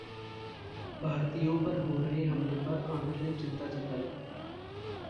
भारतीयों पर हो रहे हमले पर आमिर ने चिंता जताई